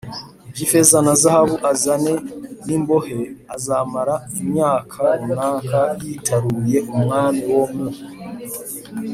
by ifeza na zahabu azane n imbohe Azamara imyaka runaka yitaruye umwami wo mu